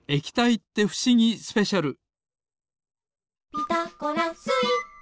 「ピタゴラスイッチ」